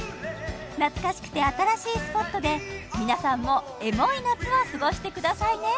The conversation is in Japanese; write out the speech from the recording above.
懐かしくて新しいスポットで皆さんもエモい夏をすごしてくださいね